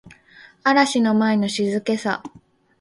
嵐の前の静けさ